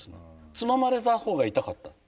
つままれた方が痛かった。